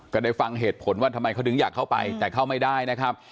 ได้ฟังเหตุผลว่าทำไมเขาถึงอยากเข้าไปแต่เข้าไม่ได้นะครับ